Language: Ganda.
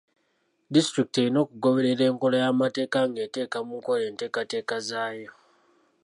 Disitulikiti erina okugoberera enkola y'amateeka ng'eteeka mu nkola enteekateeka zaayo.